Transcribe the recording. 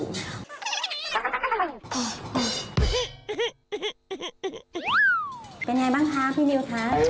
เป็นอย่างไรบ้างคะพี่นิวคะ